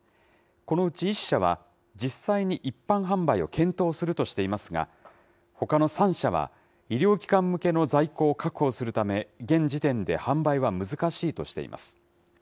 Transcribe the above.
このうち１社は、実際に一般販売を検討するとしていますが、ほかの３社は、医療機関向けの在庫を確保するため、現時点で販売は難しいとしています。